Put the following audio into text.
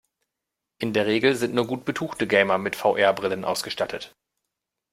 In der Regel sind nur gut betuchte Gamer mit VR-Brillen ausgestattet.